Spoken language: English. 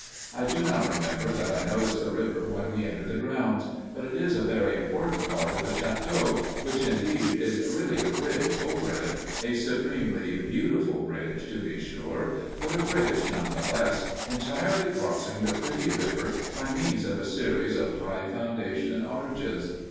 I do not remember that I noticed the river when we entered the grounds, but it is a very important part of the château, which, indeed, is really a bridge over it a supremely beautiful bridge, to be sure, but a bridge none the less, entirely crossing the pretty river by means of a series of high foundation arches.